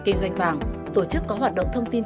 kinh doanh vàng tổ chức có hoạt động thông tin